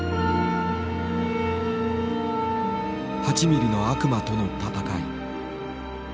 ８ミリの悪魔とのたたかい。